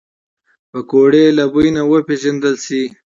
پکورې له بوی نه وپیژندل شي